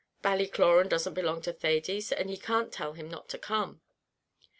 "Ballycloran doesn't belong to Thady, and he can't tell him not to come."